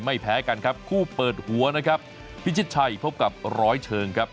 แพ้กันครับคู่เปิดหัวนะครับพิชิตชัยพบกับร้อยเชิงครับ